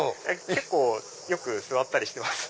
結構よく座ったりしてます。